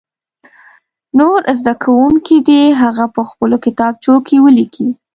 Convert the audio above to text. نور زده کوونکي دې هغه په خپلو کتابچو کې ولیکي.